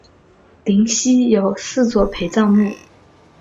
灵犀有四座陪葬墓。